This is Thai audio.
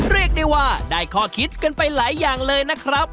เรียกได้ว่าได้ข้อคิดกันไปหลายอย่างเลยนะครับ